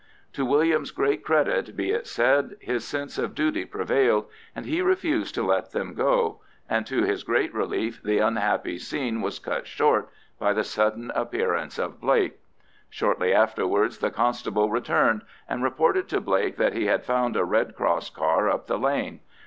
To William's great credit be it said, his sense of duty prevailed, and he refused to let them go; and to his great relief the unhappy scene was cut short by the sudden appearance of Blake. Shortly afterwards the constable returned, and reported to Blake that he had found a Red Cross car up the lane.